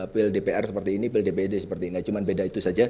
pldpr seperti ini pldped seperti ini cuma beda itu saja